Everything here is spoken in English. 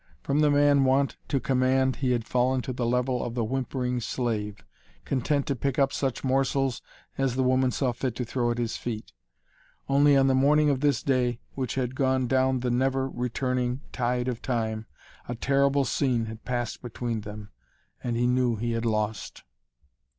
From the man wont to command he had fallen to the level of the whimpering slave, content to pick up such morsels as the woman saw fit to throw at his feet. Only on the morning of this day, which had gone down the never returning tide of time, a terrible scene had passed between them. And he knew he had lost.